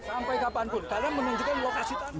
sampai kapanpun karena menunjukkan lokasi tanah